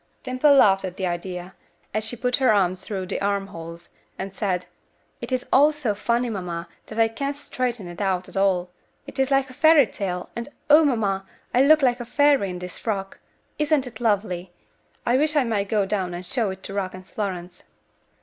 Dimple laughed at the idea, as she put her arms through the arm holes, and said, "It is all so funny, mamma, that I can't straighten it out at all. It is like a fairy tale, and, O! mamma, I look like a fairy in this frock. Isn't it lovely? I wish I might go down and show it to Rock and Florence."